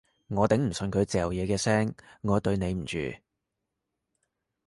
我頂唔順佢嚼嘢嘅聲，我對你唔住